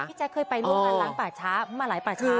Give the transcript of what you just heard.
พี่แจ๊คเคยไปรวมกันล้างป่าช้ามาหลายป่าช้าแล้ว